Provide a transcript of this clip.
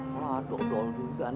waduh doang juga nih orang